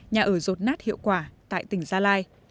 nhà ở rột nát hiệu quả tại tỉnh gia lai